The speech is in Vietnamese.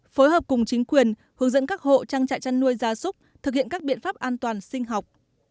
phối hợp cùng chính quyền hướng dẫn các hộ trang trại chăn nuôi gia súc thực hiện các biện pháp an toàn sinh học